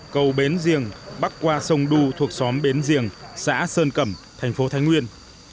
cầu bến riêng bắc qua sông đu thuộc xóm bến riêng xã sơn cẩm thành phố thái nguyên